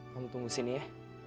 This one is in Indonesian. kamu tunggu sini ya